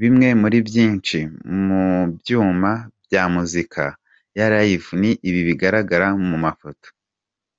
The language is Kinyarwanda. Bimwe muri byinshi mu byuma bya muzika ya Live ni ibi bigaragara mu mafoto.